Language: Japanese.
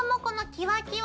キワキワ。